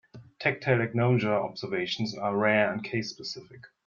Tactile agnosia observations are rare and case-specific.